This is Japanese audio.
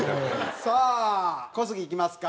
さあ小杉いきますか。